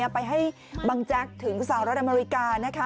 ไปให้บังแจกถึงสาวรัฐอเมริกานะคะ